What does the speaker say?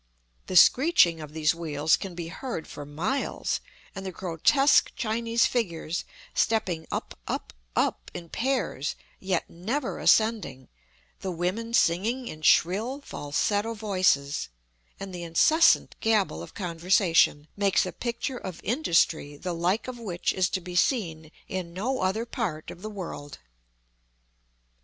The screeching of these wheels can be heard for miles, and the grotesque Chinese figures stepping up, up, up in pairs, yet never ascending, the women singing in shrill, falsetto voices, and the incessant gabble of conversation, makes a picture of industry the like of which is to be seen in no other part of the world.